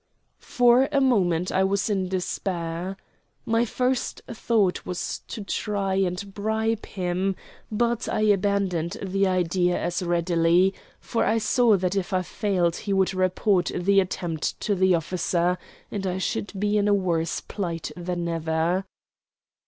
For a moment I was in despair. My first thought was to try and bribe him, but I abandoned the idea as readily, for I saw that if I failed he would report the attempt to the officer, and I should be in a worse plight than ever.